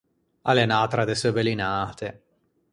A l’é unn’atra de seu bellinate.